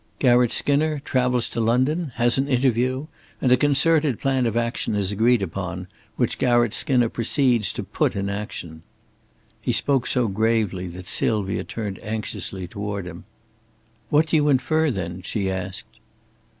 Garratt Skinner travels to London, has an interview, and a concerted plan of action is agreed upon, which Garratt Skinner proceeds to put in action." He spoke so gravely that Sylvia turned anxiously toward him. "What do you infer, then?" she asked.